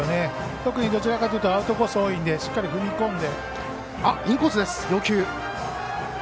特にどちらかというとアウトコース多いのでしっかり踏み込んで。